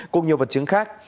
cùng nhiều vật chứng khác